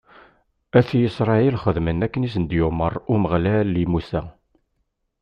At Isṛayil xedmen akken i s-d-yumeṛ Umeɣlal i Musa.